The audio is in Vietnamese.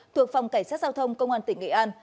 thuộc phòng cảnh sát giao thông công an tỉnh nghệ an